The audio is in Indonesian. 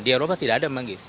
di eropa tidak ada memanggil